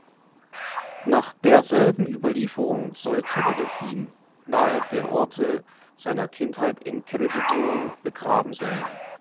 Nach derselben Überlieferung soll Taliesin nahe den Orten seiner Kindheit in Ceredigion begraben sein.